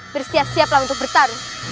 bersiap siap untuk bertarung